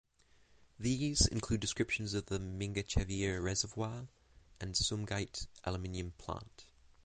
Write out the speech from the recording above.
These include descriptions of the Mingachevir Reservoir and Sumgait Aluminum Plant.